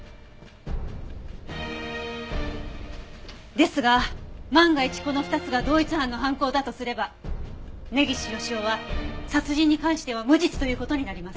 ですが万が一この２つが同一犯の犯行だとすれば根岸義雄は殺人に関しては無実という事になります。